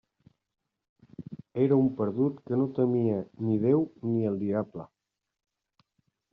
Era un perdut que no temia ni Déu ni el diable.